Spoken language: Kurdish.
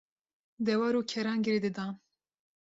dewar û keran girêdidan.